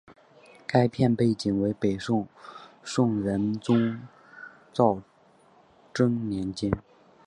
该片背景为北宋宋仁宗赵祯年间。